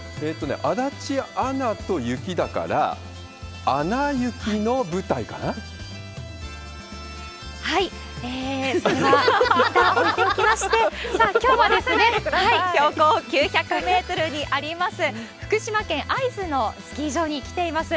足立アナと雪だから、はい、えー、それはいったん置いておきまして、さあ、きょうは標高９００メートルにあります、福島県会津のスキー場に来ています。